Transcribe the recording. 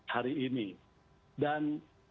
hari ini dan